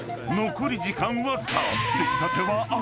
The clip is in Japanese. ［残り時間わずか］